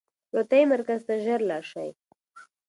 روغتیايي مرکز ته ژر لاړ شئ.